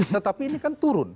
tetapi ini kan turun